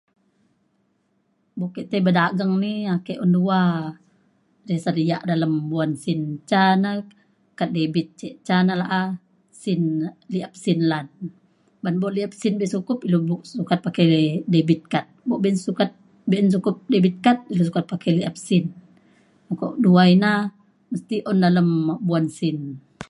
buk ke tai bedageng ni ake un dua [unintelligible] sediak dalem wen sin. ca na kad debit ce ca na la'a sin liap sin lan ban buk liap sin be sukup ilu buk sukat pakai de- debit kad. buk bo un sukat be'un sukup debit kad ilu sukat pakai liap sin. me ko duwai na mesti un dalem buan sin